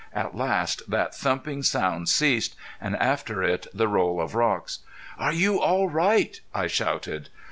At last that thumping sound ceased, and after it the roll of rocks. "Are you all right?" I shouted.